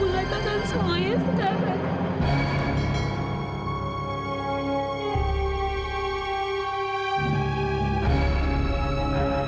rasa selalu disuruh